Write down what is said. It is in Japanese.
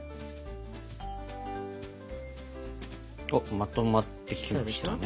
まとまってきましたね。